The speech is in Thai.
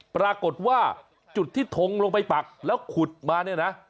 ปรากฏว่าจุดที่ทงลงไปปักแล้วขุดมาเนี่ยนะ